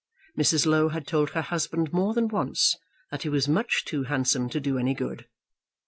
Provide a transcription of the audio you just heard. Mrs. Low had told her husband more than once that he was much too handsome to do any good.